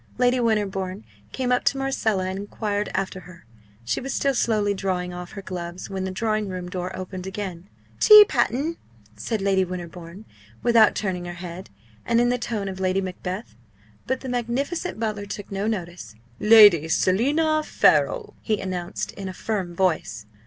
Lady Winterbourne came up to Marcella and enquired after her. She was still slowly drawing off her gloves, when the drawing room door opened again. "Tea, Panton!" said Lady Winterbourne, without turning her head, and in the tone of Lady Macbeth. But the magnificent butler took no notice. "Lady Selina Farrell!" he announced in a firm voice.